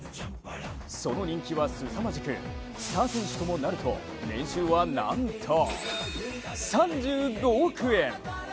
その人気はすさまじく、スター選手ともなると年収はなんと３５億円。